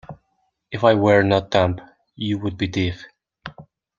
If I were not dumb, you would be deaf.